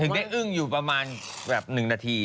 ได้อึ้งอยู่ประมาณแบบ๑นาที